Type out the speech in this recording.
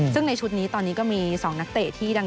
ซึ่งในชุดนี้ตอนนี้ก็มี๒นักเตะที่ดัง